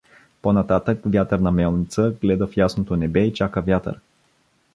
По-нататък вятърна мелница гледа в ясното небе и чака вятър.